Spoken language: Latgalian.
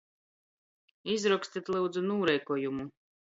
Izrokstit, lyudzu, nūreikuojumu!